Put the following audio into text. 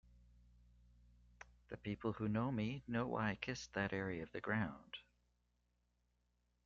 The people who know me know why I kissed that area of the ground.